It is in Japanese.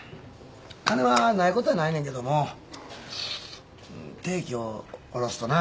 金はないことはないねんけども定期を下ろすとな。